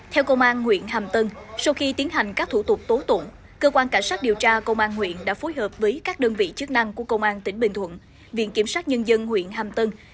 theo công an huyện hàm tân sau khi tiến hành các thủ tục tố tụng cơ quan cảnh sát điều tra công an huyện đã phối hợp với các đơn vị chức năng của công an tỉnh bình thuận